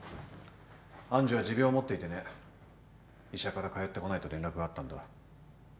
愛珠は持病を持っていてね医者から帰ってこないと連絡があったんだ。